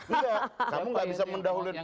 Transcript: enggak kamu nggak bisa mendahului